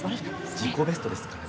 自己ベストですからね。